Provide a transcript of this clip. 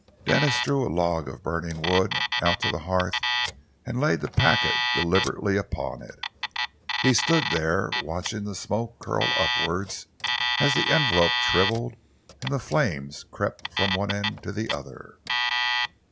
Denis drew a log of burning wood out on to the hearth and laid the packet deliberately upon it. He stood there watching the smoke curl upwards as the envelope shrivelled and the flames crept from one end to the other.